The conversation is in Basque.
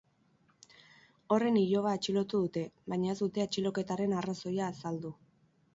Horren iloba atxilotu dute, baina ez dute atxiloketaren arrazoia azaldu.